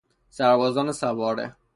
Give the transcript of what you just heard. سربازان سواره